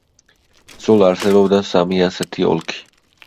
სულ არსებობდა სამი ასეთი ოლქი.